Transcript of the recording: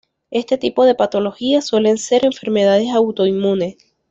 Este tipo de patologías suelen ser enfermedades autoinmunes.